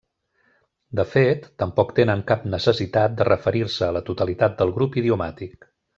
De fet, tampoc tenen cap necessitat de referir-se a la totalitat del grup idiomàtic.